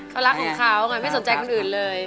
เขารักของเขาไงไม่สนใจคนอื่นเลย